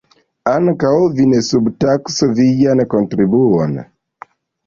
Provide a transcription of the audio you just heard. Ankaŭ vi ne subtaksu vian kontribuon.